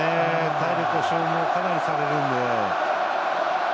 体力を消耗がかなりされるんで。